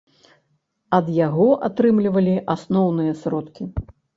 Ад яго атрымлівалі асноўныя сродкі.